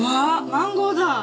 マンゴーだ！